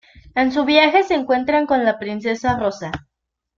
En su viaje se encuentran con la princesa Rosa.